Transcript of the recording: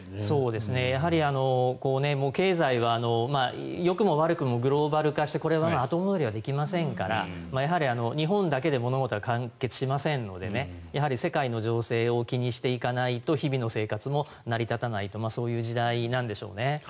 やはり経済はよくも悪くもグローバル化してこれは後戻りはできませんから日本だけで物事は完結しませんので世界の情勢を気にしていかないと日々の生活も成り立たないとそういう時代なんでしょうね。